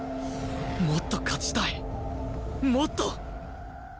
もっと勝ちたいもっと！